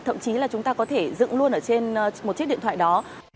thậm chí là chúng ta có thể dựng luôn ở trên một chiếc điện thoại đó